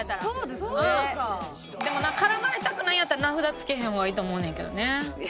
でも絡まれたくないんやったら名札付けへん方がいいと思うねんけどね。